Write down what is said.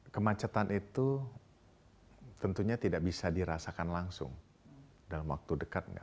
kemacetan itu tentunya tidak bisa dirasakan langsung dalam waktu dekat